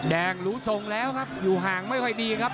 แดงหรูสงแล้วอยู่ห่างไม่ค่อยดีครับ